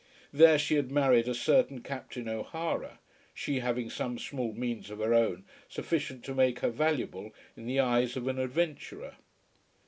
There she had married a certain Captain O'Hara, she having some small means of her own sufficient to make her valuable in the eyes of an adventurer.